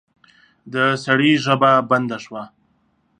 د سړي ژبه بنده شوه.